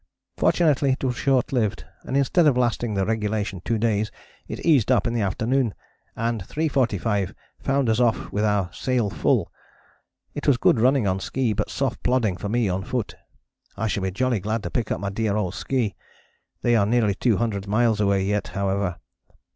Fortunately it was shortlived, and instead of lasting the regulation two days it eased up in the afternoon, and 3.45 found us off with our sail full. It was good running on ski but soft plodding for me on foot. I shall be jolly glad to pick up my dear old ski. They are nearly 200 miles away yet, however.